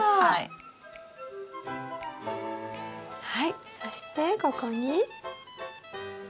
はいそしてここに？